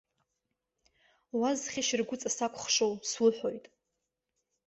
Уа, зхьышьыргәҵа сакәхшоу, суҳәоит!